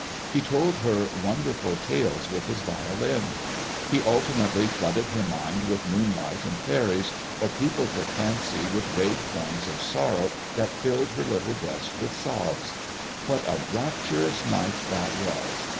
He told her wonderful tales with his violin. He alternately flooded her mind with moonlight and fairies, or peopled her fancy with vague forms of sorrow that filled her little breast with sobs. What a rapturous night that was!